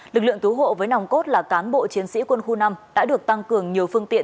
lực lượng cứu hộ với nòng cốt là cán bộ chiến sĩ quân khu năm đã được tăng cường nhiều phương tiện